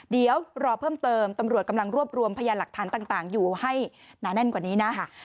เดี๋ยวรอเพิ่มเติมตำรวจกำลังรวบรวมพยานหลักฐานต่างอยู่ให้หนาแน่นกว่านี้นะคะ